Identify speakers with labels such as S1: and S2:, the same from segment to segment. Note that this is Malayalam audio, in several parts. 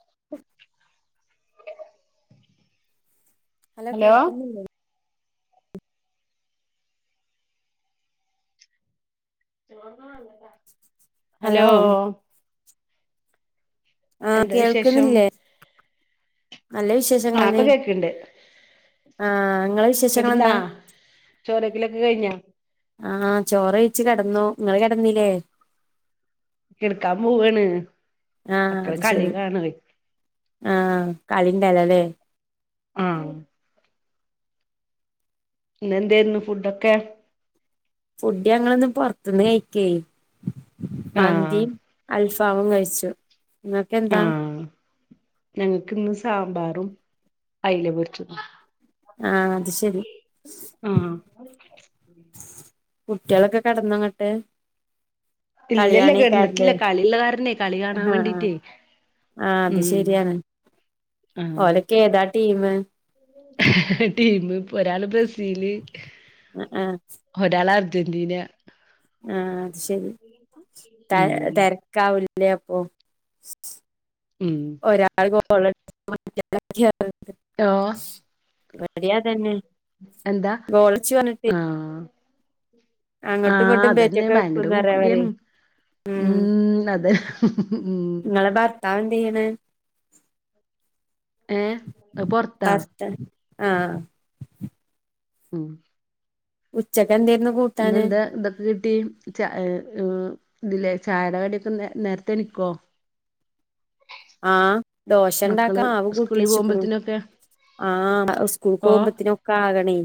S1: [inaudible]
S2: അലോ
S1: ഹലോ
S2: കേൾക്കുന്നില്ലേ
S1: ഹലോ
S2: ആ
S1: എന്താ വിശേഷം
S2: കേൾക്കുന്നില്ലേ നല്ല വിശേഷ
S1: ആ ഇപ്പൊ
S2: അതെ
S1: കേക്ക്ണ്ട്
S2: ആ നിങ്ങളെ വിശേഷങ്ങൾ എന്താ
S1: ചോറവേക്കിലൊക്കെ കഴിഞ്ഞോ
S2: ആഹ ചോറ്ഴിച്ചച്ച് കിടന്നു നിങ്ങൾ കിടന്നില്ലേ
S1: കിടക്കാം പോവുവണ്
S2: ആഹ അത് ശരി ആഹ കളിന്റെലല്ലേ
S1: ആ ഇന്ന എന്തരുന്നു ഫുഡ്ക്കെ
S2: ഫുഡ് ഞങ്ങൊ ഒന്നും പുറത്തുന്ന് കഴിക്ക
S1: ആഹ്
S2: മന്തിയും അൽഫാവും കഴിച്ചു നിങ്ങൊക്കെ എന്താ
S1: ഞങ്ങൾക്ക്ന്ന് സാമ്പാറും അയല പൊരിച്ചതും
S2: ആഹ അത് ശരി
S1: ആഹ
S2: കുട്ടികളൊക്കെ കിടന്നങ്ങട്ട്
S1: ഇല്ലല്ല കിടന്നിട്ടില്ല കളിയള്ള കാരനെ കളി കാണാൻ വേണ്ടിട്ടേ
S2: ആഹ അത് ശരിയാണ് ഓലക്ക
S1: ആഹ്
S2: ഏതാ ടീം
S1: ടീം ഇപ്പ ഒരാള് ബ്രസീല്
S2: ഉ ആഹ
S1: ഒരാൾ അർജന്റീന
S2: ആഹ അത് ശരി ത
S1: ഉം
S2: തിരക്കാവില്ലേ അപ്പൊ
S1: ം [unintelligible] [inaudible]
S2: ഒരാൾ ഗോളാ
S1: ഓ
S2: തന്നെ [unintelligible]
S1: എന്താ ആഹ
S2: അങ്ങോട്ടും
S1: ആഹ
S2: ഇങ്ങോട്ടും
S1: അതന്നെ
S2: ബെറ്റൊക്കെ
S1: ഭയങ്കര
S2: വെക്കുന്നറിയ അവര്
S1: പൂക്കളിയാണ് ഉം അതെ ഉ
S2: തവൻ ചെയ്യണ
S1: ഏഹ് അത് പൊറത്താ
S2: ബർത്ത ആഹ
S1: ഉം
S2: ഉച്ചക്ക എന്തരുന്നു കൂട്ട
S1: ഇന്ന എന്താന്ത കിട്ടി ച ഇതില്ലെ ചാര കടൊക്കെ നേരത്തെ നിക്കുവോ [inaudible]
S2: ആഹ ദോശ ഉണ്ടാക്കാം ആവ കൂട്ടി
S1: സ്കൂളിൽ
S2: വെച്ചിക്കണു
S1: പോകുമ്പോഴത്തിനൊക്കെ
S2: ആഹ് സ്കൂൾ
S1: ഓഹ്
S2: പോകുമ്പോത്തിനൊക്കെ ആകണേ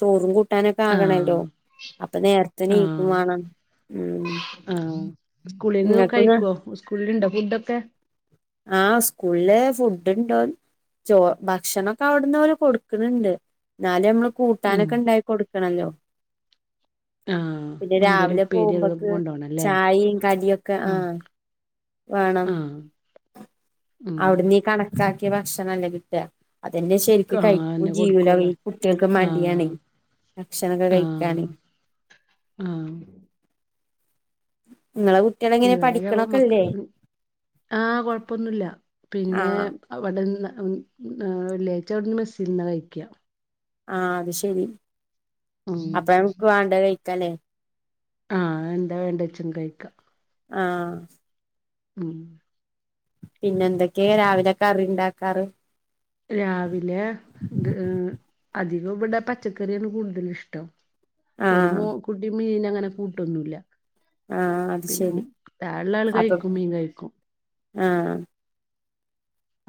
S2: ചോറും കൂട്ടാനൊക്കെ ആകണല്ലോ
S1: ആഹ്
S2: അപ്പൊ നേരത്തെനിക്കും
S1: ആഹ്
S2: വേണം ഉ
S1: ആഹ് സ്കൂളിൽന്ന് കഴിക്കുവോ സ്കൂളിൽ ഇണ്ട ഫുഡൊക്കെ
S2: ആഹ് സ്കൂളിലെ ഫുഡ് ഇണ്ടോ ചോ ഭക്ഷണക്കെ അവിടുന്ന പോലെ കൊടുക്കുന്നുണ്ട് എന്നാലും നമ്മള്
S1: ഉം
S2: കൂട്ടാനൊക്കെ ഉണ്ടായി കൊടുക്കണല്ലോ
S1: ആഹ്
S2: പിന്നെ
S1: എന്തേലും
S2: രാവിലെ
S1: ഉപ്പേരി അതൊക്കെ
S2: പോകുമ്പോക്ക്
S1: കൊണ്ടോണല്ലേ
S2: ചായയും കടിയും ഒക്കെ
S1: ആഹ്
S2: ആഹ വേണം
S1: ആഹ് ഉം
S2: അവിട നീ കണക്ക കാക്കിയ ഭക്ഷണമല്ലേ കിട്ടുക അതെന്റെ ശരിക്ക
S1: ആഹ്
S2: കഴിക്കും
S1: അതെന്നെ
S2: ജീവല
S1: കൊടുക്കൊള്ളൂ
S2: കുട്ടികൾക്ക് മടിയാണ്
S1: ആഹ്
S2: ഭക്ഷണക്കെ കഴിക്കണെങ്ക
S1: ആ
S2: നിങ്ങളെ കുട്ടികള് എങ്ങനെ
S1: ഇവിടെ മ
S2: പഠിക്കണൊക്കെല്ലേ
S1: ആഹ കൊഴപ്പൊന്നുമില്ല പിന്നെ
S2: ആഹ്
S1: അവിടെന്ന് വള്ളിയാഴ്ച്ച അവിടുന്ന് ബസ്സിൽ നിന്ന് കഴിക്കുക
S2: ആ അത് ശെരി
S1: ഉം
S2: അപ്പം നമക്ക് വേണ്ടത് കഴിക്കല്ലേ
S1: ആ എന്താ വേണ്ടേന്ന് വച്ചും കഴിക്കാം
S2: ആഹ്
S1: ഉം
S2: പിന്നെ എന്തൊക്കെയ രാവിലെ കറിയു ണ്ടാക്കാറ്
S1: രാവിലെ അധികം ഇവിടെ പച്ചക്കറിയാണ് കൂടുതലിഷ്ടം. ഒരു
S2: ആഹ്
S1: മോ കുട്ടി മീന അങ്ങനെ കൂട്ടൊന്നുമില്ല
S2: ആ അത് ശരി
S1: താഴെള്ള ആള്
S2: അപ്പൊ
S1: കഴിക്കും മീൻ കഴിക്കും
S2: ആഹ്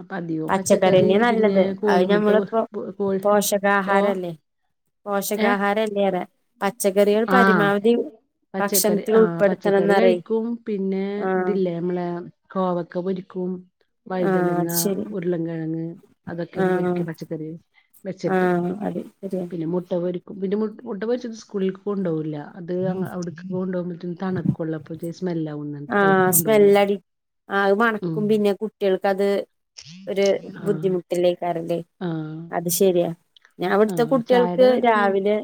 S1: അപ്പൊ അധികവും പച്ചക്കറി
S2: പച്ചക്കറിന്നെയ
S1: പിന്നെ
S2: നല്ലത് അത്
S1: കോഴിമുട്ട
S2: ഞമ്മളിപ്പോ
S1: പൊ- കോഴി ഓ
S2: പോഷകാഹാരല്ലേ
S1: ഏഹ്
S2: പോഷകാഹാരല്ലേറെ പച്ചക്കറികൾ
S1: ആഹ്
S2: പരമാവധി
S1: പച്ചക്കറി
S2: ഭക്ഷണത്തിൽ
S1: ആഹ് പച്ചക്കറി
S2: ഉൾപ്പെടുത്തണംന്നറേ
S1: കഴിക്കും പിന്നെ
S2: ആഹ്
S1: ഇതില്ലേ നമ്മളെ കോവക്ക പൊരിക്കും,
S2: ആഹ്
S1: വഴുതനങ്ങ,
S2: അത് ശരി
S1: ഉരുള കിഴങ്ങ് അതൊക്കെയാണ്
S2: ആഹ്
S1: പൊരിക്ക പച്ചക്കറി വെച്ചിട്ട്
S2: ആഹ് അത് ശരിയാ
S1: പിന്നെ മുട്ട പൊ പ്പോ പിന്നെ മുട്ട് മുട്ട പൊരിച്ചത് സ്കൂളിൽക്ക് കൊണ്ടു പോകില്ല അത് അവിടുക്ക് കൊണ്ടോകുമ്പത്തേനും ത കൊള്ളപ്പെ ജസ്സ് സ്മെല്ല ആവൂന്ന്
S2: ആ സ്മെല്ലടി ആ അത്
S1: ഉം
S2: മണക്കും പിന്നെ കുട്ടികൾക്കത് ഒരു
S1: ആ
S2: ബുദ്ധിമുട്ടും വട്ടിലേക്കാറല്ലേ
S1: ആ
S2: അത് ശെരിയാ ഞാ
S1: ആ
S2: അവിടുത്തെ
S1: ചായയുടെ
S2: കുട്ടികൾക്ക്
S1: കടിയൊന്നും
S2: രാവിലെ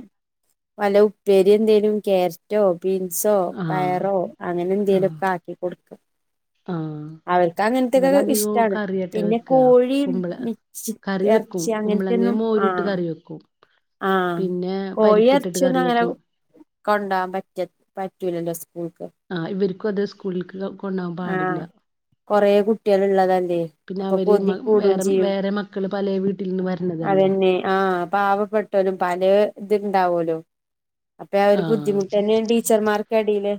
S2: വല ഉപ്പേരി എന്തേലും ക്യാരറ്റോ ബീൻസോ
S1: ആ
S2: പയറോ അങ്ങനെ എന്തേലും കാട്ടി കൊടുക്കും
S1: ആഹ്
S2: അവർക്ക് അങ്ങനത്തൊക്കെ ഇഷ്ടാണ് പിന്നെ
S1: വെക്കുക
S2: കോഴി
S1: കുമ്പള
S2: പിച്ചി
S1: കറി വെക്കും
S2: ച്ചി അങ്ങനത്തെ
S1: കുമ്പളങ്ങ
S2: ഒന്നും ആ
S1: മോരൂട്ട് കറി വെക്കും
S2: ആഹ്
S1: പിന്നെ
S2: കോഴി
S1: പരിപ്പിട്ടിട്ട്
S2: ഇറച്ചി ഒന്നും
S1: കറി
S2: അങ്ങനെ
S1: വെക്കും
S2: കൊണ്ടുപോവാൻ പറ്റ പറ്റൂലല്ലോ സ്കൂൾക്ക്?
S1: ആ ഇവർക്കും അത് സ്കൂളിലേക്കോ ക്കെ കൊണ്ടുപോവാൻ പാടില്ല.
S2: കൊറെ കുട്ടികൾ ഉള്ളതല്ലേ
S1: പിന്നെ
S2: അപ്പൊ
S1: അവര് മ
S2: കൊതിക്കൂടയും
S1: വേറെ
S2: ചെയ്യും
S1: വേറെ മക്കള് പല വീട്ടിൽ നിന്ന് വരണതല്ലേ
S2: അതെന്നെ ആഹ് പാവപ്പെട്ടലും പലേ ഇത്ണ്ടാവലോ അപ്പൊ ആ ഒരു ബുദ്ധിമുട്ട് തന്നെയ ടീച്ചർമാർക്കടിയില്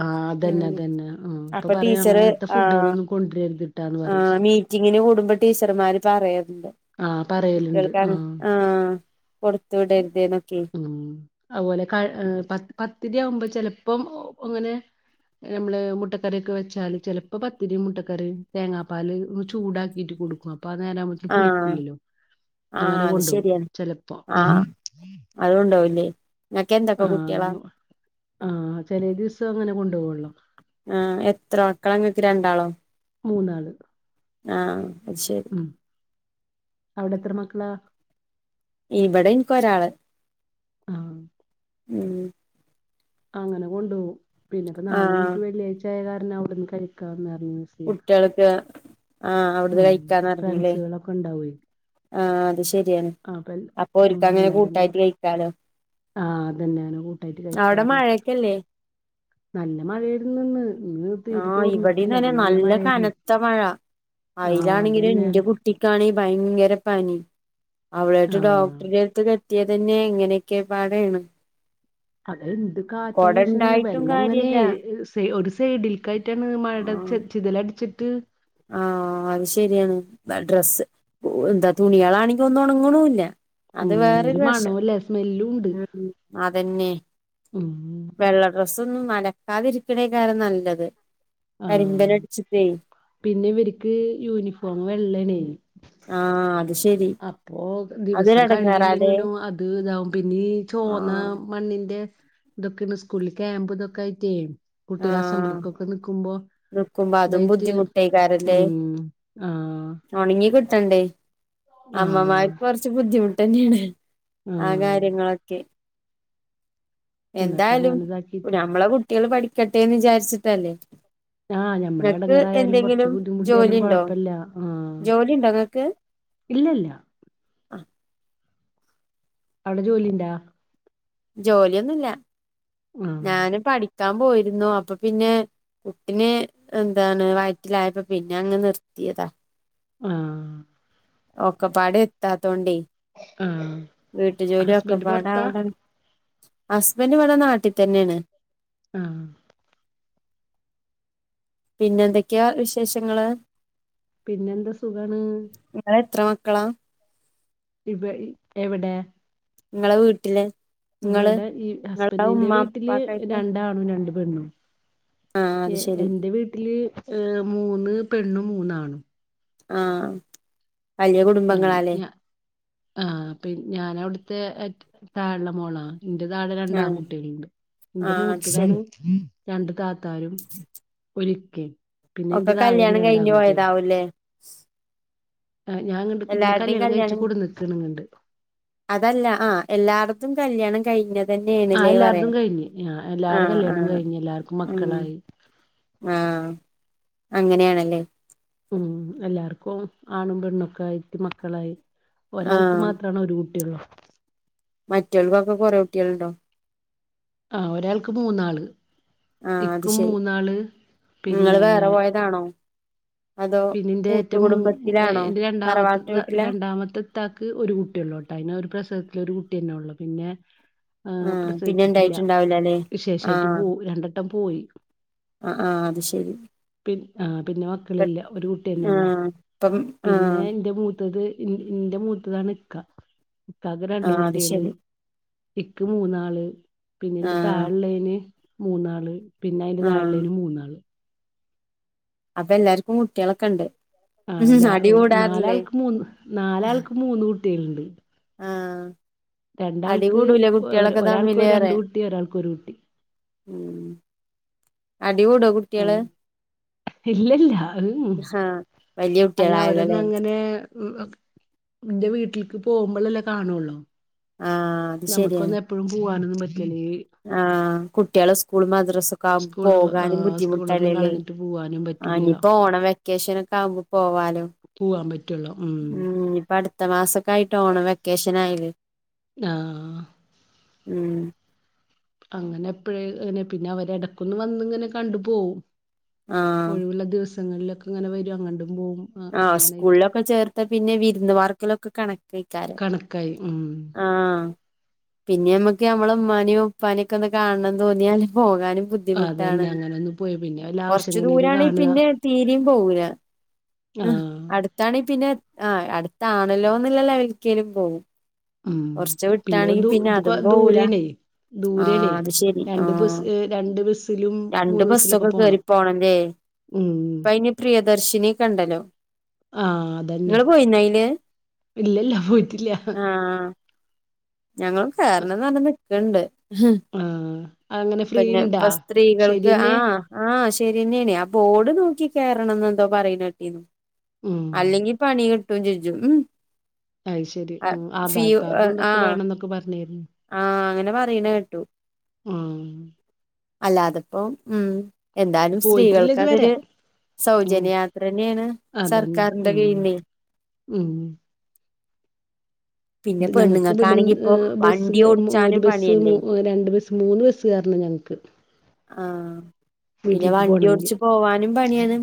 S1: ആ അതന്നെ
S2: മ്
S1: അതന്നെ ആ
S2: അപ്പൊ
S1: പറയാ
S2: ടീച്ചറ്
S1: അങ്ങനത്തെ
S2: ആഹ്
S1: ഫുഡുകളൊന്നും കൊണ്ടുവരരുതിട്ടാന്ന് പറയും
S2: ആഹ് മീറ്റിങ്ങിന് കൂടുമ്പോ ടീച്ചർമാര് പറയുന്നുണ്ട്
S1: ആ പറയലുണ്ട്
S2: കുട്ടികൾക്ക്
S1: ആ
S2: അങ്ങ ആഹ് കൊടുത്തു വിടരുത് എന്നൊക്കെ
S1: ഉം അതുപോലെ കഴ് പ പത്തിരിയാകുമ്പോ ചെലപ്പോം അങ്ങനെ നമ്മള് മുട്ട കറിയൊക്കെ വെച്ചാല് ചിലപ്പോ പത്തിരിയും മുട്ടക്കറിയും തേങ്ങാപ്പാല് ഒന്ന് ചൂടാക്കിട്ട് കൊടുക്കും അപ്പ ആനേരാ ആകുമ്പത്തേക്കിന്
S2: ആഹ്
S1: പുളിക്കൂല്ലല്ലോ. അങ്ങനെ കൊണ്ടുപോകും ചെലപ്പോ ഉം
S2: അതുകൊണ്ടോവില്ലേ നിനക്ക് എന്തൊക്കെ കുട്ടികളാ?
S1: അങ്ങനെ ആ ചെലേ ദിവസം അങ്ങനെ കൊണ്ടോകു വെള്ളം
S2: ആ എത്ര മക്കളാ നിങ്ങൾക്ക് രണ്ടാളോ?
S1: മൂന്നാള്
S2: ആ ശരി
S1: ഉം അവിടെ എത്ര മക്കളാ?
S2: ഇവിടെ എനിക്കൊരാള്.
S1: ആഹ്
S2: ഉം
S1: അങ്ങനെ കൊണ്ടുപോകും പിന്നെപ്പോ നാളെ
S2: ആഹ്
S1: നിനക്ക് വെള്ളിയാഴ്ച ആയ കാരണം അവിടെന്ന് കഴിക്കാവെന്ന്പറഞ്ഞു.
S2: കുട്ടികൾക്ക് ആ അവിടുന്ന് കഴിക്കാന്ന് പറിഞ്ഞില്ലേ?
S1: കൊണ്ടോവേ
S2: ആ അത് ശരിയാണ് അപ്പൊ ഒരിക്ക് അങ്ങനെ കൂട്ടായിട്ട് കഴിക്കാലോ.
S1: ആ അതന്നെ അങ്ങനെ കൂട്ടായിട്ട്
S2: അവിടെ
S1: കഴിക്കാന്നിണ്ട്
S2: മഴയൊക്കെല്ലേ
S1: നല്ല മഴായിരുന്നു ഇന്ന് ഇന്ന് തീരെ
S2: ആഹ് ഇവിടിം
S1: തോർന്നിട്ടില്ല
S2: തന്നെ
S1: നല്ല മഴയായിരുന്നു.
S2: കനത്ത മഴ
S1: ആ അതന്നെ
S2: കുട്ടിക്കാണേ ഭയങ്കര പനിം അവളു ആയിട്ട്
S1: ആഹ്
S2: ഡോക്ടറ്ടെ എട്ത്ത്ക്ക് എ ത്തിയത് തന്നെ എങ്ങനെയൊക്കെ പാടേണ്.
S1: അതൊ എന്ത് കാറ്റാ
S2: കൊട
S1: വിശ്ണേ
S2: ഇണ്ടായിട്ടും
S1: വെള്ളം ഇങ്ങനെ
S2: കാര്യല്ല
S1: ഒരു സൈഡില്ക്കായിട്ടാണ് മഴേടെ
S2: ആഹ്
S1: ചെ ചിതലടിച്ചിട്ട്
S2: ആഹ് അത് ശരിയാണ് ഡ്രസ്സ് ന്താ തുണികളാണെങ്കി ഒന്നും ഒണങ്ങണുല്ല. അത്
S1: ഉം ഒരു
S2: വേറൊരു വശം
S1: മണോല്ല സ്മെല്ലും ഉണ്ട്
S2: മ്മ് മ്മ് അതെന്നെ
S1: ഉം
S2: വെള്ള ഡ്രസ്സോന്നും അലക്കാതിരിക്ക്ണേക്കാരം നല്ലത്
S1: ആഹ്
S2: കരിമ്പനടിച്ചിട്ടേ
S1: പിന്നെ ഇവര്ക്ക് യൂണിഫോം വെള്ളേണേ.
S2: ആഹ് ശരി
S1: അപ്പോ
S2: അതൊരു
S1: ദിവസം
S2: എടങ്ങേറാല്ലേ
S1: കഴുകയില്ലെങ്കിലും അത് ഇതാവും പിന്നീ ചോന്ന
S2: ആഹ്
S1: മണ്ണിന്റെ ഇതൊക്കേണ് സ്കൂള്ല് ക്യാമ്പു ഇതൊക്കായിറ്റേ കുട്ട്യാള്
S2: ആഹ്
S1: അസംബളിക്കൊക്കെ നിക്കുമ്പോ
S2: നിക്കുമ്പോ അതും
S1: ഇതായിറ്റ്
S2: ബുദ്ധിമുട്ടേക്കാരല്ലേ
S1: ഉം ആഹ്
S2: ഒണങ്ങി കിട്ടണ്ടേ
S1: ആഹ്
S2: അമ്മമാര്ക്ക് കൊറച്ച് ബുദ്ധിമുട്ടെന്നെയാണ് ആ കാ
S1: ആഹ്
S2: ര്യങ്ങളൊക്കെ
S1: എന്നിട്ട്
S2: എന്തായാലും
S1: അങ്ങനെ ഇതാക്കിട്ട്
S2: ഞമ്മളെ കുട്ട്യേള് പഠിക്കട്ടെന്ന് വിചാരിച്ചിട്ടല്ലേ
S1: ആഹ്
S2: നിങ്ങക്ക്
S1: ഞമ്മളെടങ്ങറായാലും കൊറച്ച്
S2: എന്തെങ്കിലും
S1: ബുദ്ധിമുട്ടിയാലും
S2: ജോലിണ്ടോ
S1: കൊഴപ്പല്ല ആഹ്
S2: ജോലി ഉണ്ടോ ഇങ്ങക്ക്
S1: ഇല്ലല്ല
S2: ആ
S1: അവടെ ജോലിണ്ടോ?
S2: ജോലിയൊന്നും ഇല്ല
S1: ആഹ്
S2: ഞാന് പഠിക്കാൻ പോയിരുന്നു അപ്പൊ പിന്നെ കുട്ടിനെ എന്താണ് വയറ്റിലായപ്പോ പിന്നെ അങ്ങ് നിർത്തിയതാ.
S1: ആഹ്
S2: ഒക്കെപാടെ എത്താത്തോണ്ടേ
S1: ആഹ്
S2: വീട്ടു ജോലി
S1: ഹസ്ബൻഡ് പൊറത്താ
S2: ഒക്കപാടാവണ്ട ഹസ്ബൻഡ് ഇവടെ നാട്ടി തന്നെയാണ്.
S1: ആഹ്
S2: പിന്നെ എന്തെക്ക്യാ വിശേഷങ്ങള്?
S1: പിന്നെന്താ സുഖാണ്.
S2: ഇങ്ങള് എത്ര മക്കളാ?
S1: ഇബഇ എവിടെ?
S2: ഇങ്ങളെ വീട്ടില്? നിങ്ങള്
S1: ഇബടെ ഈ
S2: നിങ്ങളെ
S1: ഹസ്ബന്റിന്റെ
S2: ഉമ്മ
S1: വീട്ടില്
S2: ഉപ്പാക്കായിട്ട്
S1: രണ്ടാണും രണ്ട് പെണ്ണും
S2: ആ അത് ശരി
S1: എന്റെ വീട്ടില് ഏഹ് മൂന്ന് പെണ്ണും മൂന്നാണും
S2: ആഹ്
S1: അങ്ങനെ ഞ ആഹ് പി ഞാനവിട്ത്തെ ഏ താഴള്ള മോളാ ഇന്റെ താഴെ
S2: ആ
S1: രണ്ടാൺകുട്ട്യേള്ണ്ട് ഇന്റെ
S2: ആ അത്
S1: മൂത്തതാണ്
S2: ശരി
S1: രണ്ട് താ ത്താരും ഒരിക്കിം പിന്നെ ഇന്റെ താഴെയാണ് രണ്ടാൺകുട്ട്യേള്
S2: ഒല്ലേ
S1: ആഹ് ഞാങ്ങട്ട് ഇന്നെ കല്യാണം കഴിച്ച് കൊട്ന്നക്കാണ് ഇങ്ങട്ട്
S2: അതല്ല ആഹ് എല്ലാട്തും കല്യാണം കഴിഞ്ഞ അതന്നെയേണ്
S1: ആഹ്
S2: ലേ
S1: എല്ലാര്തും
S2: പറയാ
S1: കഴിഞ്ഞ് ആഹ് എല്ലാരെ
S2: ആഹ്
S1: കല്യാണം
S2: ആഹ്
S1: കഴിഞ്ഞ് എല്ലാർക്കും
S2: ഉം
S1: മക്കളായി
S2: ആഹ് അങ്ങനെയാണല്ലേ
S1: ഉം എല്ലാർക്കും ആണും പെണ്ണൊക്കായിട്ട് മക്കളായി ഒരാൾക്ക്
S2: ആഹ്
S1: മാത്രാണ് ഒരു കു ട്ട്യള്ളൂ
S2: മറ്റോല്ക്കൊക്കെ കൊറെ കുട്ട്യള്ണ്ടോ
S1: ആഹ് ഒരാൾക്ക് മൂന്നാള്
S2: ആഹ് അത്
S1: ഇക്കും
S2: ശരി
S1: മൂന്നാള് പിന്നെ
S2: ഒരാണോ
S1: പിന്നെന്റെ ഏറ്റ മൂ ഏഹ്
S2: കൂട്ടുകുടുംബത്തിലാണോ
S1: എന്റെ രണ്ടാമത്തെ
S2: തറവാട്ട്
S1: ത
S2: വീട്ടിലാ
S1: രണ്ടാമത്തെ ത്താക്ക് ഒരു കുട്ടിയൊള്ളുട്ടോ അയിന് ഒരു പ്രസവത്തില് ഒരു കുട്ട്യന്നെ ഒള്ളു പിന്നെ ആഹ്
S2: പിന്നെ
S1: പ്രസവിച്ചിട്ടില്ല
S2: ഇണ്ടായിട്ടുണ്ടാവില്ലല്ലേ
S1: വിശേഷായിട്ട്
S2: ആഹ്
S1: പോ രണ്ടെട്ടം പോയി
S2: ആഹ് ആഹ് അത് ശരി
S1: പി ആ പിന്നെ മക്കളില്ല ഒരു കുട്ടിന്നെ ഉള്ളു
S2: ആഹ് ഇപ്പം
S1: പിന്നെ
S2: ആഹ്
S1: എന്റെ മൂത്തത് ഇന്റെ മൂത്തതാണ് ഇക്ക ഇക്കാക്ക് രണ്ട്
S2: ആഹ് അത്
S1: കുട്ടികള്
S2: ശരി
S1: ഇക്ക് മൂന്നാള് പിന്നെ ഇന്റെ
S2: ആഹ്
S1: താഴള്ളേന് മൂന്നാള് പിന്നെ അയിന്റെ
S2: ആഹ്
S1: തായേള്ളെന് മൂന്നാള്
S2: അപ്പൊ എല്ലാർക്കും കുട്ടികളൊക്കെ ഇണ്ട്
S1: ആല്ല നാലാൾക്ക് മൂന്ന് നാലാൾക്കും മൂന്ന് കുട്ടികളുണ്ട്
S2: ആഹ് അടി
S1: രണ്ടാൾക്ക്
S2: കൂടൂലേ കുട്ടികളൊക്കെ
S1: ഒരാൾക്ക്
S2: തമ്മില്
S1: രണ്ട്
S2: പറയാ
S1: കുട്ടി ഒരാൾക്ക് ഒരു കുട്ടി
S2: ഉം അടികൂടോ കുട്ടിയള്
S1: ഇല്ലല്ല
S2: വലിയ
S1: അയിന് അവരൊന്ന്
S2: കുട്ടികളായല്ലോല്ലേ
S1: അങ്ങനെ ഇന്റെ വീട്ടിൽക്ക് പോകുമ്പോളല്ലേ കാണൊള്ളൂ
S2: ആഹ് അത് ശരിയാണ്
S1: ഞമ്മക്കൊന്ന് എപ്പഴും പോവാനൊന്നും പറ്റിലെ
S2: ആഹ് കുട്ടിയളെ സ്കൂൾ മദ്രാസ് ഒക്കെ ആവുമ്പോ പോകാനും ബുദ്ധിമുട്ട്
S1: ന്നും കളഞ്ഞിട്ട് പോകാനും പറ്റില്ല
S2: ഓണം വെക്കേഷനൊക്കെ ആവുമ്പോ പോവാലോ
S1: പോവാൻ പറ്റു
S2: ഉം ഇഞ്ഞിപ്പൊ അടുത്ത മാസക്കെ ആയിട്ട് ഓണം വെക്കേഷന് ആയിലെ
S1: ആഹ്
S2: ഉം
S1: അങ്ങനെ എപ്പയെ പിന്നെ അവരടക്കൊന്ന് വന്ന് ഇങ്ങനെ കണ്ടു പോവും
S2: ആഹ്
S1: ഒഴിവുള്ള ദിവസങ്ങളിലൊക്കെ ഇങ്ങനെ വരും അങ്ങട്ട് പോവും ആ,
S2: ആഹ്
S1: അങ്ങനായിട്ട്
S2: സ്കൂൾലൊക്കെ ചേർത്ത പിന്നെ വിരുന്ന് വാർക്കലൊക്കെ കണക്കെക്കാരം
S1: കണക്കായി ഉം
S2: ആഹ്. പിന്നെ നമ്മക്ക് നമ്മളെ ഉമ്മാനിം ഉപ്പാനൊക്കെ ഒന്ന് കാൺണം തോന്നിയാല് പോകാനും ബുദ്ധി ബുദ്ധിമുട്ടാണ്
S1: അതന്നെ അങ്ങനെ ഒന്ന് പോയി പിന്നെ വല്ല
S2: കൊർച്ചു
S1: ആവശ്യങ്ങളേന്ന്
S2: ദൂരണെങ്കി
S1: കാണുക
S2: പിന്നെ തീരിം പോവൂല ഉം
S1: ആഹ്
S2: അടുത്താണെങ്കി പിന്നെ ആ അടുത്താണല്ലോ എന്നുള്ള ലെവലിക്കെലും പോവും
S1: ഉം
S2: കൊർച് വിട്ടാണെങ്കി
S1: ദൂ
S2: പിന്നെ
S1: ഇത്
S2: അതും
S1: കൊ-
S2: പോവൂല
S1: ദൂരേണേ
S2: ആ
S1: ദൂരേണേ
S2: അത് ശരി
S1: രണ്ട് ബസ്
S2: ആഹ്
S1: ഏ, രണ്ട് ബസ്സിലും
S2: രണ്ട്
S1: മൂന്ന് ബസ്സിലൊക്കെ
S2: ബസ്സൊക്കെ കേറി പോണം ലെ
S1: ഉം
S2: ഇപ്പയിന് പ്രിയദർശിനിക്കണ്ടല്ലോ
S1: ആഹ് അതന്നെ
S2: ഇങ്ങള് പോയിണയില്
S1: ഇല്ലല്ല പോയിട്ടില്ല.
S2: ഞങ്ങള് കേറണന്ന് പറഞ്ഞ് നിക്ക്ണ്ട്. ഉം
S1: ആഹ് അങ്ങനെ ഫ്രീ
S2: പിന്നെ
S1: ഇണ്ടാ
S2: ഇപ്പൊ സ്ത്രീകൾക്ക്
S1: ശരിയെന്നെ
S2: ആഹ്. ആഹ് ശരിന്നെണ് ആ ബോർഡ് നോക്കി കെറണന്ന് എന്തോ പറയ്‌നെട്ടീനി
S1: ഉം
S2: അല്ലെങ്കിൽ പണികിട്ടും ചെജും ഉം.
S1: അയ് ശരി ഉം ആ
S2: ഫീ
S1: ഭാഗ അതും
S2: ആ
S1: ഇതൊക്കെ വേണംന്നൊക്കെ പറഞ്ഞിരുന്നു
S2: ആ അങ്ങനെ പറയണ കേട്ടു
S1: ആഹ്.
S2: അല്ലാതെപ്പോ ഉം. എന്തായാലും
S1: പോയിട്ടില്ല
S2: സ്ത്രീകൾക്ക്
S1: ഇതുവരെ
S2: അതൊരു
S1: ഉം
S2: സൗജന്യയാത്രന്നെയാണ്
S1: അതന്നെ
S2: സർക്കാരിന്റെ
S1: ഉം
S2: കീഴിന്ന്.
S1: ഉം.
S2: പിന്നെ
S1: അത് ഞങ്ങൾക്ക് ഇവിടുന്ന്
S2: പെണ്ണുങ്ങൾക്കാണെങ്കി
S1: ഏ
S2: ഇപ്പൊ
S1: ബസ്സ്
S2: വണ്ടി
S1: ഒരു
S2: ഓടിച്ചാനും
S1: ബസ്സ് മൂ
S2: പണിയല്ലേ
S1: രണ്ട് ബസ് മൂന്ന് ബസ് കേറണം ഞങ്ങക്ക്.
S2: ആഹ് പിന്നെ
S1: വീട്ടിലേക്ക്
S2: വണ്ടി ഓട്ച്ച്
S1: പോണങ്കില്
S2: പോവാനും പണിയാണ്.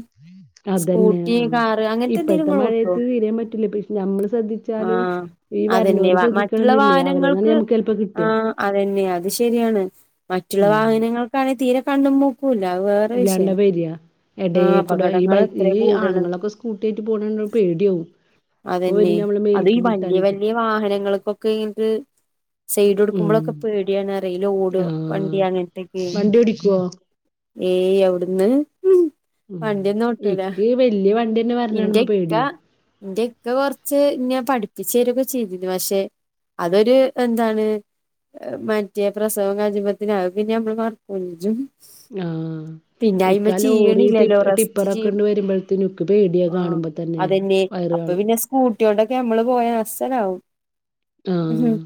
S1: അതന്നെ
S2: സ്കൂട്ടി
S1: ആഹ്
S2: കാറ് അങ്ങൻത്തെ എന്തെലും
S1: ഇപ്പഴത്തെ
S2: ഇങ്ങള് ഓട്ടോ
S1: മഴയത്ത് തീരേം പറ്റൂല ഇപ്പ ഞമ്മള് ശ്രദ്ധിച്ചാലും
S2: ആഹ്.
S1: ഈ
S2: അതന്നെ
S1: വരണോര്
S2: മറ്റുള്ള
S1: ശ്രദ്ധിക്കണംന്നില്ലേ അവരെന്നാണ്
S2: വാഹനങ്ങൾക്ക്
S1: ഞമ്മക്ക് ചെലപ്പോ കിട്ടാ
S2: ആഹ്. അതന്നെ അത് ശരിയാണ് മറ്റുള്ള
S1: ഉം
S2: വാഹനങ്ങൾക്കാണെ തീരെ കണ്ണും മൂക്കു ക്കും ഇല്ല അത് വേറെ വിഷയം. ആഹ്
S1: എടെക്കൂടെ ഈ
S2: അപകടങ്ങൾ
S1: ബൈ
S2: എത്ര
S1: ഈ
S2: കൂടണ്
S1: ആണുങ്ങളൊക്കെ സ്കൂട്ടിയായിട്ട് പോണെ കണ്ട പേടിയാവും. ഇപ്പൊ
S2: അതന്നെ
S1: വരും ഞമ്മളെ
S2: അത് ഈ
S1: മേലേക്ക്
S2: വല്യ വല്യ
S1: മുട്ടാൻച്ചിട്ട്
S2: വാഹനങ്ങൾക്കൊക്കെ ഇത് സൈഡ്
S1: ഉം
S2: എടുക്കുമ്പോളോക്കെ പേടിയാണറിയെ ഈ ലൊടോ
S1: ആഹ്
S2: വണ്ടി അങ്ങൻത്തേക്കെ
S1: വണ്ടി ഓടികോ?
S2: ഏയ് എവിടുന്ന്.
S1: ഉം
S2: വണ്ടിയൊന്നും ഒട്ടൂല
S1: ഇക്ക് വല്യ വണ്ടിന്നെ വരണാണുമ്പോ
S2: ഇന്റെഇക്ക.
S1: പേടിയാ
S2: ഇന്റെ ഇക്ക കൊറച്ച് ഇന്ന പഠിപ്പിച്ചുതരും ക്കെ ചെയ്തിരുന്നു പക്ഷെ അതൊരു എന്താണ്. മറ്റേ പ്രസവം കജുബത്തിന് അഹ് പിന്നെ നമ്മള് മറക്ക്ഞ്ചും.
S1: ആഹ്. ഇക്ക ലോറി
S2: ചെയ്യണില്ലല്ലോ
S1: ടിപ്പ
S2: റസ്റ്റ്
S1: ടിപ്പർ
S2: ചെയ്യും
S1: ക്കെണ്ട് വരുമ്പോഴത്തിന് ഇന്ക്ക് പേടിയ കാണുമ്പോ തന്നെ. വയർകാളും.
S2: സൂട്ടിയോട്ടൊക്കെ നമ്മള് പോയ അസലാവും.
S1: ആഹ്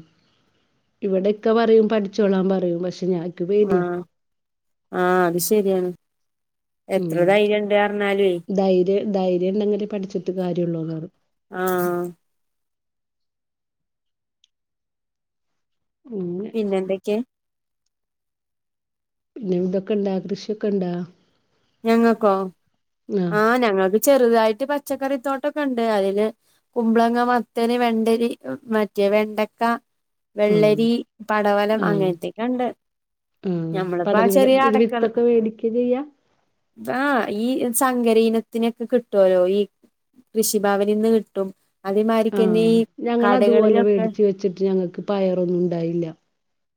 S1: ഇവിടെ ഇക്ക പറയും പഠിച്ചോളാൻ പറയും പക്ഷെ ഞാൻ. ഇക്ക് പേടിയാ
S2: ആഹ് ആഹ് അത് ശരിയാണ്.
S1: ഉം
S2: എത്ര ധൈര്യണ്ട് പറഞ്ഞാലുവേ
S1: ധൈര്യം ധൈര്യം ഉണ്ടെങ്കിൽ പഠിച്ചിട്ട് കാര്യഉള്ളുന്ന്പറിം.
S2: ആഹ്.
S1: അങ്ങനെ
S2: പിന്നെന്തൊക്കെയെ.
S1: പിന്നെ ഇതോക്കെ കൃഷിയൊക്കെ ഇണ്ടാ?
S2: ഞങ്ങൾക്കോ ആഹ് ഞങ്ങൾക് ചെറുതായിട്ട് പച്ചക്കറിത്തോട്ടൊക്കെ ഉണ്ട് അതില്. കുമ്പളങ്ങ മത്തന് വെണ്ടരി മറ്റേ വെണ്ടക്ക.
S1: ആഹ്
S2: വെള്ളരി പടവലം അങ്ങനത്തക്കെ ഇണ്ട്.
S1: ഉം പടങ്ങല വിത്തൊക്കെ മേടിക്ക ചെയ്യാ?
S2: അ ഈ. ഹെ സങ്കര ഇനത്തിനൊക്കെ കിട്ടുല്ലോ ഈ കൃഷിഭാവനിൽ നിന്ന് കിട്ടും അതമാതിരി.
S1: ഞങ്ങൾ അതുപോലെ മേടിച്ച് വെച്ചിട്ട് ഞങ്ങക്ക് പയറൊന്നു ഇ ണ്ടായില്ല.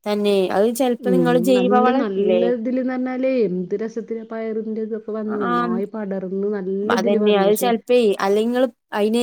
S2: തന്നെ അത് ചിലപ്പോ നിങ്ങള് ജൈവവളം ഇിട്ടില്ലേ?
S1: ഇതിന്ന് പറഞ്ഞാല് എന്ത് രസത്തിലാ പയറിന്റെതും
S2: ആഹ്
S1: ഇതില്
S2: അതന്നെയ
S1: വന്നു
S2: അത്
S1: പക്ഷെ
S2: ചിലപ്പോ അല്ലെങ്കിൽനിങ്ങൾ അയിന്ന്.